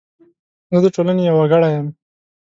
زه د ټولنې یو وګړی یم .